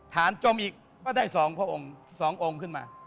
ฐานจมอีกก็ได้สององค์ขึ้นมา